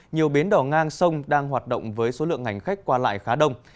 nhiều biến đò ngang sông đang hoạt động với số lượng ngành khách qua lại khá đông